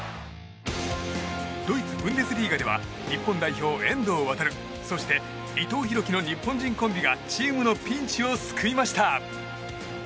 ドイツ・ブンデスリーガでは日本代表、遠藤航そして、伊藤洋輝の日本人コンビがチームのピンチを救いました。